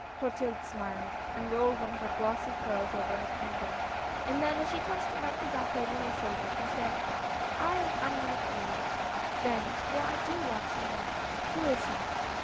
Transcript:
Clotilde smiled, and rolled one of her glossy curls over her finger, and then as she tossed it lightly back over her shoulder, she said: " I am unlike you, then, for I do love some one." "Who is he?"